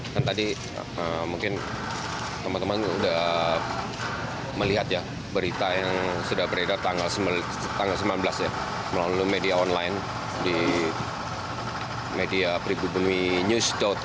kan tadi mungkin teman teman sudah melihat ya berita yang sudah beredar tanggal sembilan belas ya melalui media online di media pribumi news